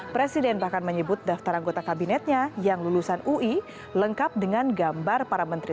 presiden bahkan menyebut daftar anggota kabinetnya yang lulusan ui lengkap dengan gambar para menteri